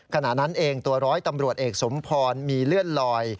ขณะนั้นเองตัวร้อยตำรวจเอกสมพรมีเลื่อนลอย